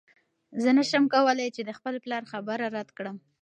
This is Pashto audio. زه نشم کولی چې د خپل پلار خبره رد کړم.